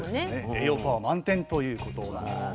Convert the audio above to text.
栄養パワー満点ということなんですね。